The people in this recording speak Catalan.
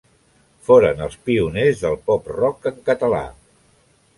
Foren els pioners del pop-rock en català.